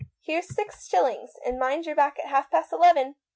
" Here's ten shillings, and mind you're back at half past eleven."